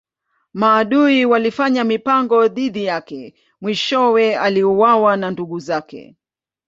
Maadui walifanya mipango dhidi yake mwishowe aliuawa na ndugu zake.